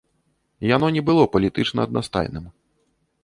Яно не было палітычна аднастайным.